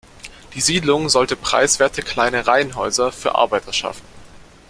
Die Siedlung sollte preiswerte kleine Reihenhäuser für Arbeiter schaffen.